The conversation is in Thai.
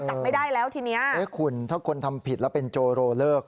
จับไม่ได้แล้วทีเนี้ยเอ๊ะคุณถ้าคนทำผิดแล้วเป็นโจโรเลิก